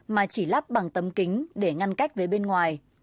mà chỉ lắp bằng tấm kính để ngăn cách với bên ngoài